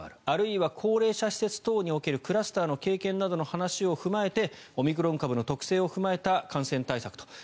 あるいは高齢者施設等におけるクラスターなどの経験などの話を踏まえてオミクロン株の特性を踏まえた感染対策と。